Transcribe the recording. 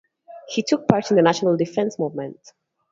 He took part in the National Defense Movement.